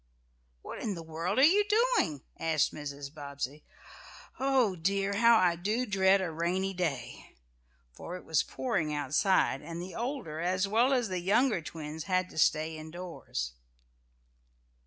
"What in the world are you doing?" asked Mrs. Bobbsey. "Oh, dear, how I do dread a rainy day!" for it was pouring outside, and the older, as well as the younger twins had to stay in doors.